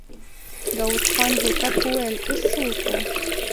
داوود خان هوتک وويل: اوس څه وکو؟